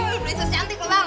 prinses cantik bang